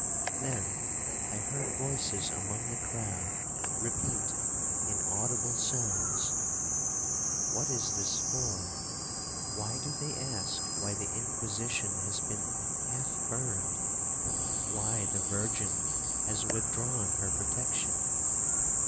Then I heard voices among the crowd repeat, in audible sounds, 'What is this for? Why do they ask why the Inquisition has been half burned?—why the virgin has withdrawn her protection?